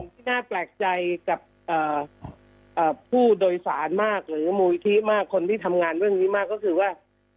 ที่น่าแปลกใจกับผู้โดยสารมากหรือมูลิธิมากคนที่ทำงานเรื่องนี้มากก็คือว่า